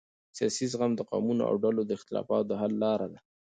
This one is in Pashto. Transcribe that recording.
سیاسي زغم د قومونو او ډلو د اختلافاتو د حل لاره ده